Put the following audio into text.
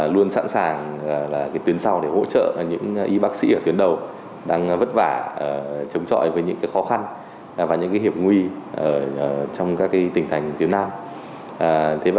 luôn sẵn sàng tuyến sau để hỗ trợ những y bác sĩ ở tuyến đầu đang vất vả chống chọi với những khó khăn và những hiểm nguy trong các tỉnh thành phía nam